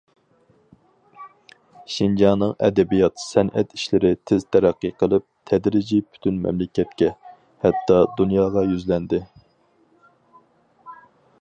شىنجاڭنىڭ ئەدەبىيات- سەنئەت ئىشلىرى تېز تەرەققىي قىلىپ، تەدرىجىي پۈتۈن مەملىكەتكە، ھەتتا دۇنياغا يۈزلەندى.